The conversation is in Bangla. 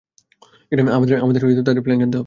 আমাদের তাদের প্ল্যান জানতে হবে।